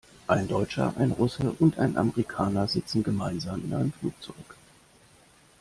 Ein Deutscher, ein Russe und ein Amerikaner sitzen gemeinsam in einem Flugzeug.